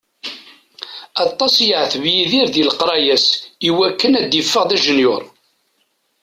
Aṭas i yeεteb Yidir di leqraya-s iwakken ad d-iffeɣ d ajenyur.